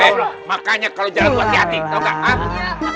eh makanya kalau jalan tua hati hati tahu gak